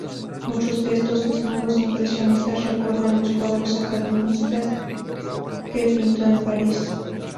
Muchos de estos desnudos impresionistas recuerdan los cuadros academicistas que pintó en París.